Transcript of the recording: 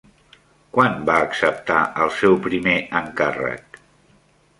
Quan va acceptar el seu primer encàrrec?